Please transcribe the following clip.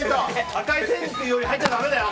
赤い線より入っちゃだめだよ！